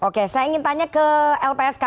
oke saya ingin tanya ke lpsk